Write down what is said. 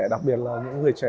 đặc biệt là những người trẻ